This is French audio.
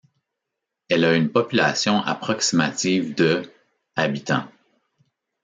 Elle a une population approximative de habitants.